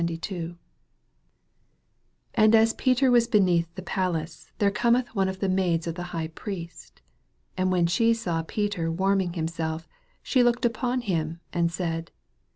66 72 88 And as Peter a^as beneath in the palace, there cometh one of the maids of the High Priest: 67 And when she saw Peter warm ing himself, she looked upon him, and said.